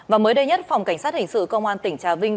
và mới đây nhất phòng cảnh sát hình sự công an tỉnh trà vinh